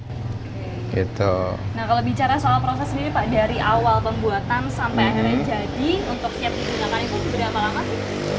nah kalau bicara soal proses sendiri pak dari awal pembuatan sampai akhirnya jadi untuk setiap kali itu berapa lama